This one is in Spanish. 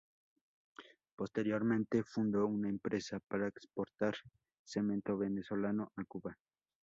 Posteriormente fundó una empresa para exportar cemento venezolano a Cuba.